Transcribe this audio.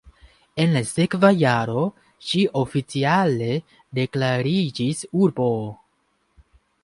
En la sekva jaro ĝi oficiale deklariĝis urbo.